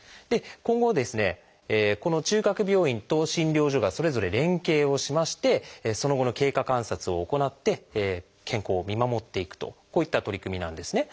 今後この中核病院と診療所がそれぞれ連携をしましてその後の経過観察を行って健康を見守っていくとこういった取り組みなんですね。